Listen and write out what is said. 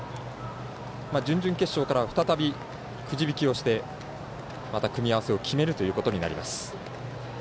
準々決勝からは再びくじ引きをしてまた組み合わせを決めるということになります。